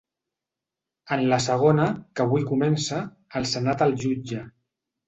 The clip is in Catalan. En la segona, que avui comença, el senat el jutja.